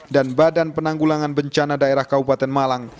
dan badan penanggulangan bencana daerah kabupaten malang